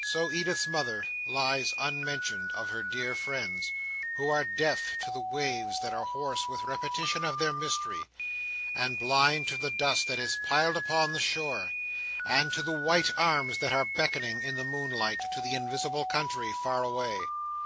So Edith's mother lies unmentioned of her dear friends, who are deaf to the waves that are hoarse with repetition of their mystery, and blind to the dust that is piled upon the shore, and to the white arms that are beckoning, in the moonlight, to the invisible country far away.